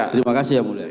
terima kasih ya mulia